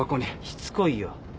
しつこいよ。